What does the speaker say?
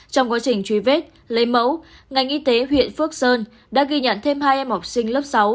trong quá trình truy vết lấy mẫu ngành y tế huyện phước sơn đã ghi nhận thêm hai em học sinh lớp sáu